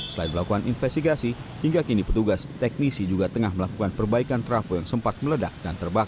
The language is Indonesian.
selain melakukan investigasi hingga kini petugas teknisi juga tengah melakukan perbaikan trafo yang sempat meledak dan terbakar